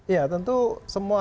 ya tentu semua